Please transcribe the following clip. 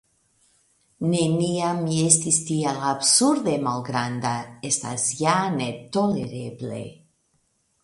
Neniam mi estis tiel absurde malgranda, estas ja ne tolereble.